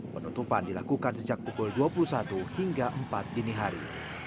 penutupan dilakukan sejak pukul dua puluh satu hingga empat dini hari